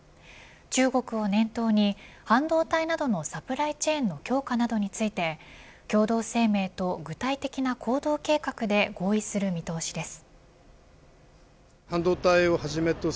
中国を念頭に半導体などのサプライチェーンの強化などについて共同声明と具体的な行動計画で合意する見通しです。